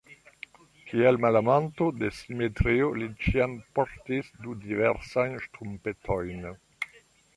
Kiel malamanto de simetrio li ĉiam portis du diversajn ŝtrumpetojn.